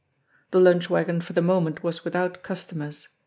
The lunch wagon for the moment was without customers.